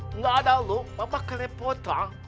enggak ada lu bapak kerepotan